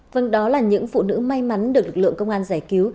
vâng đó là những phụ nữ may mắn được lực lượng công an giải cứu